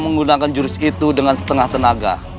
menggunakan jurus itu dengan setengah tenaga